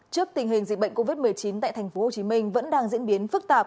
trước tình hình dịch bệnh covid một mươi chín tại tp hcm vẫn đang diễn biến phức tạp